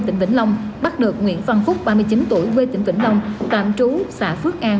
tỉnh vĩnh long bắt được nguyễn văn phúc ba mươi chín tuổi quê tỉnh vĩnh long tạm trú xã phước an